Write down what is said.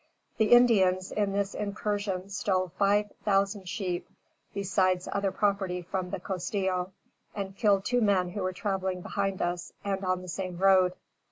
The Indians, in this incursion stole five thousand sheep, besides other property from the Costillo, and killed two men who were traveling behind us and on the same road.